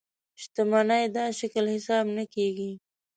شتمنۍ دا شکل حساب نه کېږي.